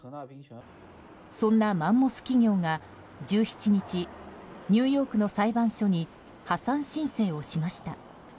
そんなマンモス企業が１７日ニューヨークの裁判所に破産申請をしました。